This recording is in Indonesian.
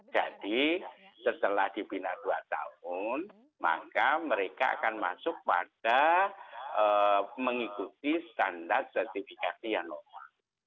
setelah dibina dua tahun maka mereka akan masuk pada mengikuti standar sertifikasi yang normal